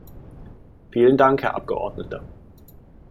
Vielen Dank, Herr Abgeordneter!